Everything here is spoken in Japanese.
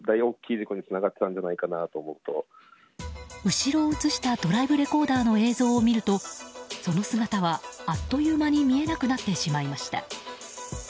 後ろを映したドライブレコーダーの映像を見るとその姿はあっという間に見えなくなってしまいました。